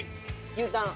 牛タン。